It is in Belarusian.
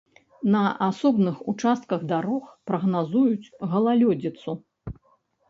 На асобных участках дарог прагназуюць галалёдзіцу.